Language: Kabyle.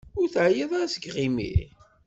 Ur teεyiḍ ara seg yiɣimi?